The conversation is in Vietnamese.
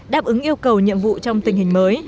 đáp ứng yêu cầu nhiệm vụ trong tình hình mới